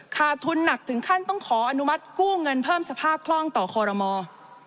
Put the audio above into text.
ขาดทุนหนักถึงขั้นต้องขออนุมัติกู้เงินเพิ่มสภาพคล่องต่อคอรมอล์